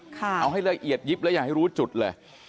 เอาให้ละเอียดยิบแล้วอย่าให้รู้จุดเลย